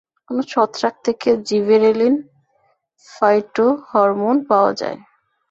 কোন ছত্রাক থেকে জিবেরেলিন ফাইটোহরমোন পাওয়া যায়?